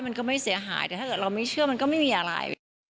มันก็ไม่เสียหายแต่ถ้าเกิดเราไม่เชื่อมันก็ไม่มีอะไร